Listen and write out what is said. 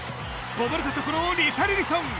こぼれたところをリシャルリソン。